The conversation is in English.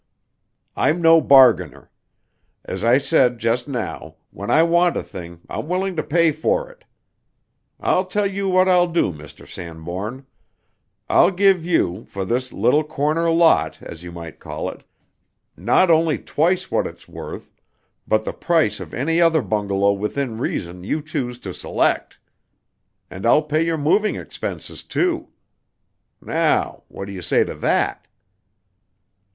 "I'm no bargainer. As I said just now, when I want a thing I'm willing to pay for it. I'll tell you what I'll do, Mr. Sanbourne. I'll give you, for this little corner lot, as you might call it, not only twice what it's worth, but the price of any other bungalow within reason you choose to select. And I'll pay your moving expenses, too. Now, what do you say to that?"